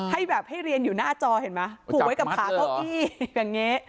ให้แบบให้เรียนอยู่หน้าจอเห็นไหมผูกไว้กับขาเก้าอี้อย่างนี้